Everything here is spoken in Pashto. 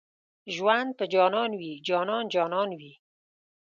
ژوند په جانان وي جانان جانان وي